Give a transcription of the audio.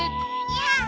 やあ。